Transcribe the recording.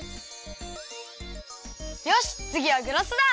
よしつぎはグラスだ！